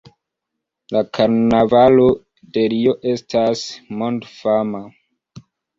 La karnavalo de Rio estas mondfama.